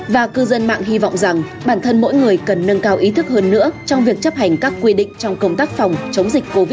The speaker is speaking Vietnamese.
và cư dân mạng hy vọng rằng bản thân mỗi người cần nâng cao ý thức hơn nữa trong việc chấp hành các quy định trong công tác phòng chống dịch covid một mươi chín